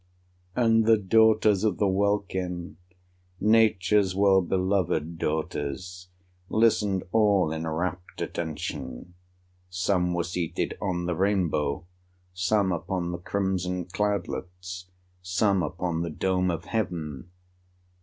And the daughters of the welkin, Nature's well beloved daughters, Listened all in rapt attention; Some were seated on the rainbow, Some upon the crimson cloudlets, Some upon the dome of heaven.